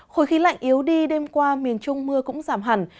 khối khí lạnh yếu đi đêm qua miền trung mưa cũng giảm hẳn